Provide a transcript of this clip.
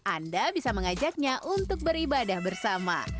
anda bisa mengajaknya untuk beribadah bersama